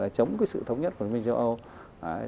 gọi là chống cái sự thống nhất của liên minh châu âu